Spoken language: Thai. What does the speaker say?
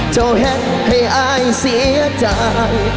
เจ้าเหตุให้อายเสียใจ